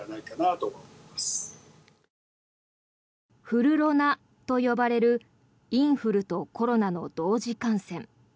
フルロナと呼ばれるインフルとコロナの同時感染。